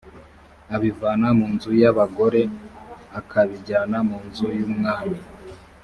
abivana mu nzu y ‘abagore akabijyana mu nzu y’ umwami